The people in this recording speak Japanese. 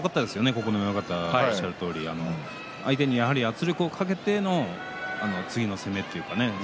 九重親方がおっしゃるとおり相手に圧力をかけての次の攻めというかね。